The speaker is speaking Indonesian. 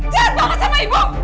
jangan banget sama ibu